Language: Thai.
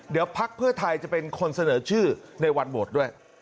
เดี๋ยวพักเพื่อไทยจะเป็นคนเสนอชื่อในวันโหวตด้วย